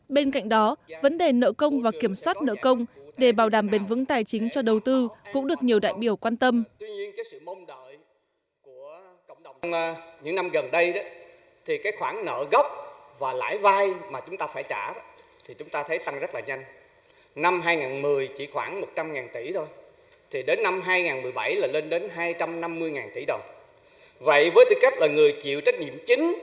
bên cạnh đó vấn đề nợ công và kiểm soát nợ công để bảo đảm bền vững tài chính cho đầu tư cũng được nhiều đại biểu quan tâm